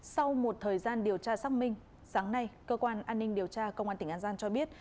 sau một thời gian điều tra xác minh sáng nay cơ quan an ninh điều tra công an tỉnh an giang cho biết